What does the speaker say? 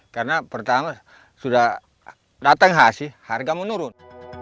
karena pertama sudah datang hasil harga menurun